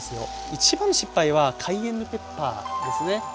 一番の失敗はカイエンヌペッパーですね。